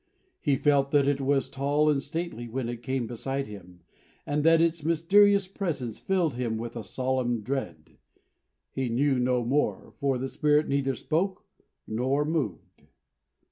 He felt that it was tall and stately when it came beside him, and that its mysterious presence filled him with a solemn dread. He knew no more, for the Spirit neither spoke nor moved.